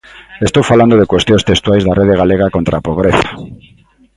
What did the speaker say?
Estou falando de cuestións textuais da Rede Galega contra a Pobreza.